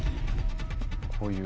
こういう。